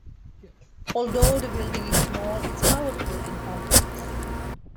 Although the building is small, it is powerful and complex.